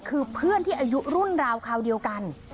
คือเพื่อนที่อายุรุ่นราวคราวเดียวกัน